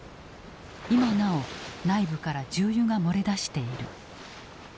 今なお内部から重油が漏れ出している。